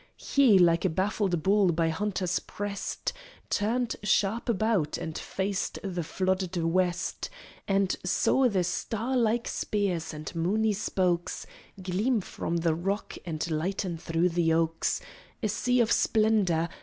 He, like a baffled bull by hunters pressed, Turned sharp about, and faced the flooded west, And saw the star like spears and moony spokes Gleam from the rocks and lighten through the oaks A sea of splendour!